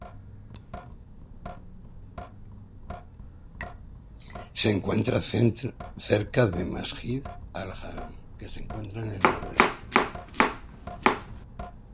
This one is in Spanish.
Se encuentra cerca de Masjid Al Haram, que se encuentra en el noreste.